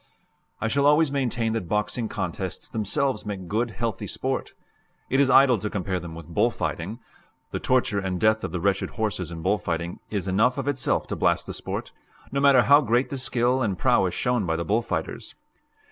I shall always maintain that boxing contests themselves make good, healthy sport. It is idle to compare them with bull fighting; the torture and death of the wretched horses in bull fighting is enough of itself to blast the sport, no matter how great the skill and prowess shown by the bull fighters.